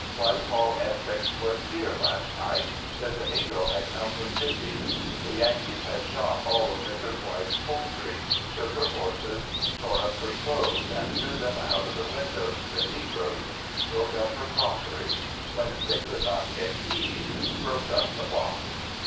White Hall Essex was here last night; says a negro had come from Gippy; the Yankees had shot all of Mrs. White's poultry; took her horses; tore up her clothes and threw them out of the windows to the negroes; broke up her crockery; when they could not get keys, broke up the locks.